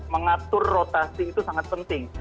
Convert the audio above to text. mengatur rotasi itu sangat penting